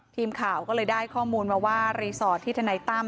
ทีมข่าวก็เลยได้ข้อมูลมาว่ารีสอร์ทที่ทนายตั้ม